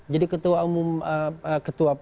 jadi ketua dpr enak